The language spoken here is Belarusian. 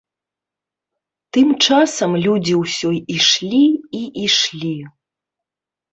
Тым часам людзі ўсё ішлі і ішлі.